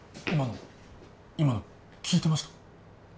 今の今の聞いてました？